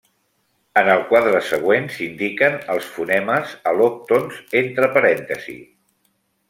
En el quadre següent s'indiquen els fonemes al·lòctons entre parèntesis.